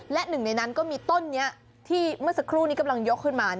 และหนึ่งในนั้นก็มีต้นนี้ที่เมื่อสักครู่นี้กำลังยกขึ้นมา